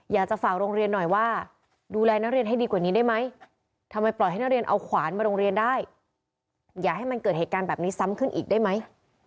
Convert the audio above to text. อยากจะฝากโรงเรียนหน่อยว่าดูแลนักเรียนให้ดีกว่านี้ได้ไหมทำไมปล่อยให้นักเรียนเอาขวานมาโรงเรียนได้อย่าให้มันเกิดเหตุการณ์แบบนี้ซ้ำขึ้นอีกได้ไหม